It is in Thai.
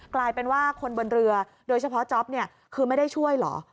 กลายเป็นว่าคนบนเรือโดยเฉพาะจ๊อปเนี่ยคือไม่ได้ช่วยเหรอ